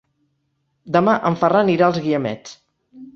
Demà en Ferran irà als Guiamets.